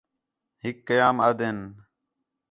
ہِک قیام آدھن